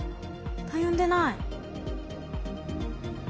たゆんでない。